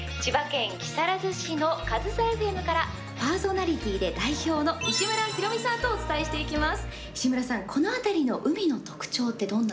千葉県木更津市のかずさエフエムからパーソナリティーで代表の石村比呂美さんとお伝えしていきます。